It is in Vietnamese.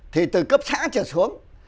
thì từ cấp xã trở xuống